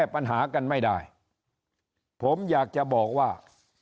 ผมอยากจะบอกว่า